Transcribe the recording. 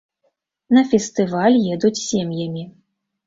На фестываль едуць сем'ямі.